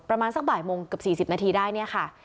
ประมาณสักบ่ายโมงเกือบ๔๐นาทีได้เนี่ยค่ะ